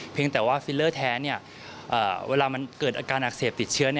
แต่ว่าฟิลเลอร์แท้เวลามันเกิดอาการอักเสบติดเชื้อ